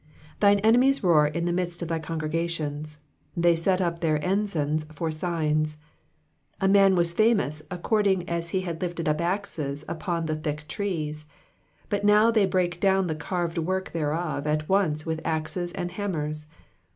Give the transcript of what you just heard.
4 Thine enemies roar in the midst of thy congregations ; they set up their ensigns yi7r signs. 5 A man was famous according as he had lifted up axes upon the thick trees. 6 But how they break down the carved work thereof at once with axes and hammers.